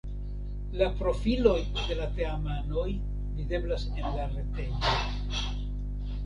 La profiloj de la teamanoj videblas en la retejo.